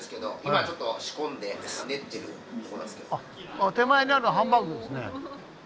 あ手前にあるのハンバーグですね。